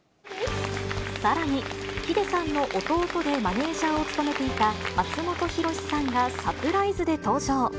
さらに、ｈｉｄｅさんの弟でマネージャーを務めていた松本裕士さんがサプライズで登場。